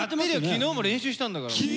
昨日も練習したんだから！